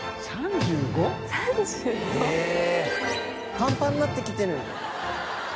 パンパンになってきてる。